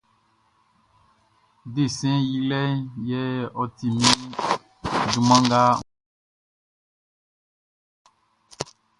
Desɛn yilɛʼn yɛ ɔ ti min junman nga n klo i kpa suklu lɔʼn niɔn.